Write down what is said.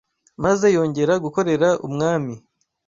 maze yongera gukorera umwami